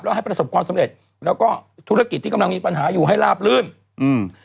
ให้ประสบความสำเร็จแล้วก็ธุรกิจที่กำลังมีปัญหาอยู่ให้ลาบลื่นอืม